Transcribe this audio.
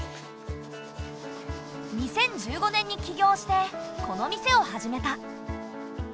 ２０１５年に起業してこの店を始めた。